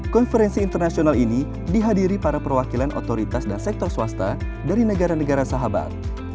konferensi internasional ini dihadiri para perwakilan otoritas dan sektor swasta dari negara negara sahabat